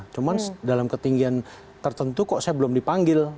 cuma dalam ketinggian tertentu kok saya belum dipanggil